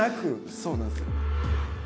そうなんです。